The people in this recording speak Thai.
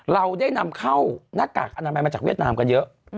เราได้นำเข้าหน้ากากอนามัยมาจากเวียดนามกันเยอะ